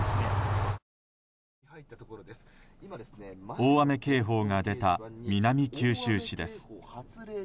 大雨警報が出た南九州市です。